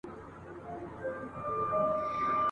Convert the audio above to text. له هر درده سره مل وي سپېلنی پکښی پیدا کړي ..